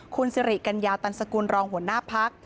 คุณสิริกัญญาตันสกุลรองหัวหน้าพัก